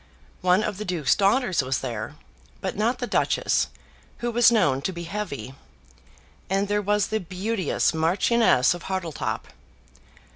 One of the Duke's daughters was there, but not the Duchess, who was known to be heavy; and there was the beauteous Marchioness of Hartletop.